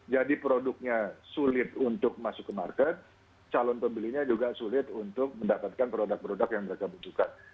produknya sulit untuk masuk ke market calon pembelinya juga sulit untuk mendapatkan produk produk yang mereka butuhkan